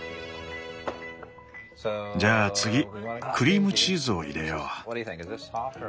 じゃあ次クリームチーズを入れよう。